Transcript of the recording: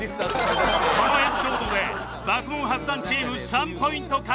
このエピソードで爆問伯山チーム３ポイント獲得